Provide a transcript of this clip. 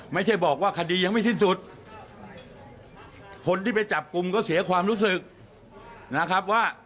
ไม่ใช่บอกว่าคดียังไม่สิ้นสุดคนที่ไปจับกลุ่มก็เสียความรู้สึกนะครับว่า